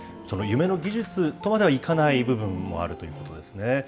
夢の技術とまではいかない部分もあるということですね。